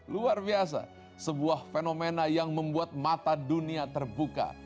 luar biasa sebuah fenomena yang membuat mata dunia terbuka